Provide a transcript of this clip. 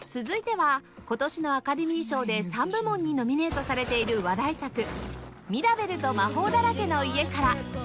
続いては今年のアカデミー賞で３部門にノミネートされている話題作『ミラベルと魔法だらけの家』から